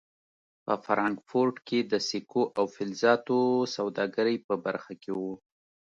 په فرانکفورټ کې د سکو او فلزاتو سوداګرۍ په برخه کې و.